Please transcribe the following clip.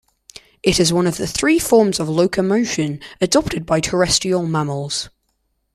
It is one of three forms of locomotion adopted by terrestrial mammals.